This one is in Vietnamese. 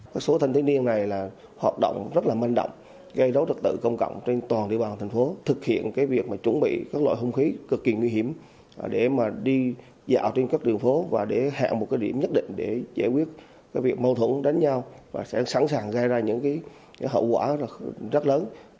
các số thanh thiếu niên này là hoạt động rất là manh động gây rối rật tự công cộng trên toàn địa bàn thành phố thực hiện việc chuẩn bị các loại hung khí cực kỳ nguy hiểm để đi dạo trên các đường phố và để hẹn một điểm nhất định để giải quyết việc mâu thuẫn đánh nhau và sẽ sẵn sàng gây ra những hậu quả rất lớn